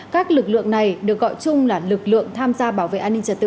các lực lượng này được gọi chung là lực lượng tham gia bảo vệ an ninh trật tự